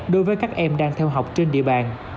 đối với các em đang theo học trên địa bàn